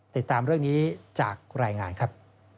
ติดตามเรื่องนี้จากรายงานครับ